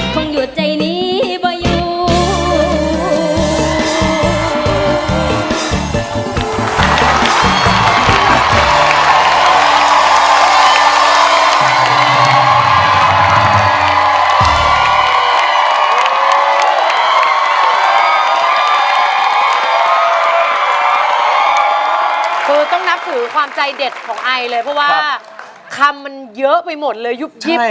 คงหยุดใจนี้บ่อยู่